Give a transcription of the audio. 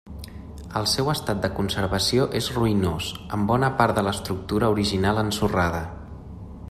El seu estat de conservació és ruïnós, amb bona part de l'estructura original ensorrada.